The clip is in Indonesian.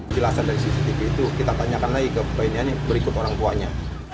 jelasan dari cctv itu kita tanyakan lagi ke pertanyaannya berikut orang tuanya